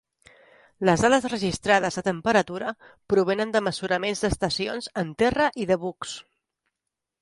Les dades registrades de temperatura provenen de mesuraments d’estacions en terra i de bucs.